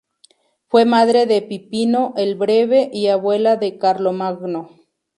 Fue madre de Pipino el Breve y abuela de Carlomagno.